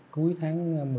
cuối tháng một mươi hai